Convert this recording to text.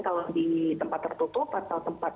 kalau di tempat tertutup atau tempat